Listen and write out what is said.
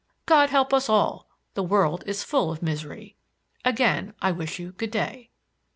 God help us all! The world is full of misery. Again I wish you good day."